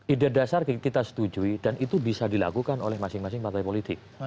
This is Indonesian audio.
ide dasar kita setujui dan itu bisa dilakukan oleh masing masing partai politik